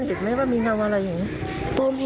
ไม่หรอกครับเขาดำน้ำเข้าไปเจ็บ